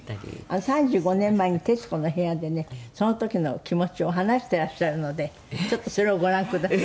３５年前に『徹子の部屋』でねその時の気持ちを話していらっしゃるのでちょっとそれをご覧ください。